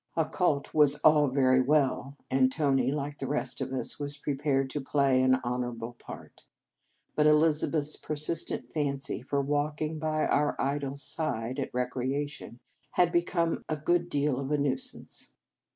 A cult was all very well, and Tony, like the rest of us, was pre pared to play an honourable part. But Elizabeth s persistent fancy for walk ing by our idol s side at recreation had become a good deal of a nuisance.